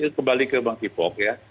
nah ini kembali ke monkeypox ya